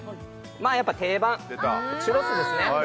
まあやっぱ定番出たチュロスですね